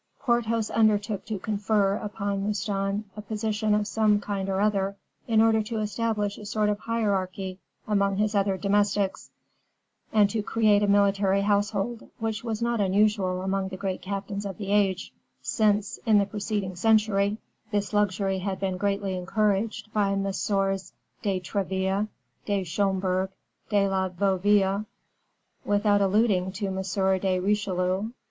Porthos undertook to confer upon Mouston a position of some kind or other, in order to establish a sort of hierarchy among his other domestics, and to create a military household, which was not unusual among the great captains of the age, since, in the preceding century, this luxury had been greatly encouraged by Messieurs de Treville, de Schomberg, de la Vieuville, without alluding to M. de Richelieu, M.